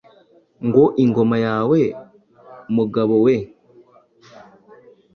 Ngo ingoma yawe Mugabo we